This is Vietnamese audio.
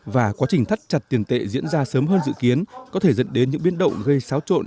và quá trình thắt chặt tiền tệ diễn ra sớm hơn dự kiến có thể dẫn đến những biến động gây xáo trộn